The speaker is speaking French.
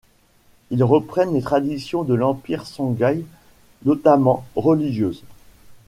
Ils reprennent les traditions de l'empire songhaï, notamment religieuses.